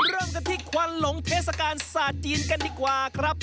เริ่มกันที่ควันหลงเทศกาลศาสตร์จีนกันดีกว่าครับ